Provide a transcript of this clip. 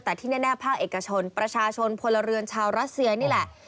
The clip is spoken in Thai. แต่ที่แน่ภาคเอกชนประชาชนพลเรือนชาวรัสเซียนี่แหละ